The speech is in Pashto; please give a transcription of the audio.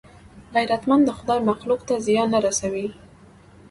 غیرتمند د خدای مخلوق ته زیان نه رسوي